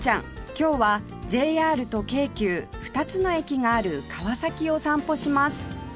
今日は ＪＲ と京急２つの駅がある川崎を散歩します